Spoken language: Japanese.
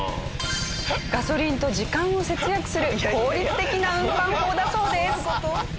ガソリンと時間を節約する効率的な運搬法だそうです。